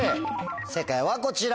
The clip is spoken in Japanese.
正解はこちら。